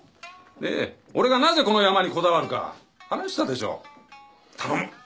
俺がなぜこのヤマにこだわるか話したでしょう頼む